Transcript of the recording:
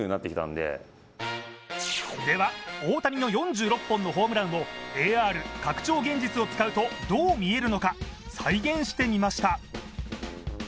では、大谷の４６本のホームランをＡＲ＝拡張現実を使うとどう見えるのか再現してみました。